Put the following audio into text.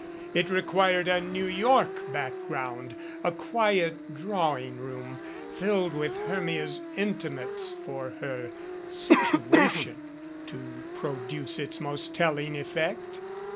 It required a New York background, a quiet drawing room filled with Hermia's intimates for her "situation" to produce its most telling effect.